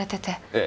ええ。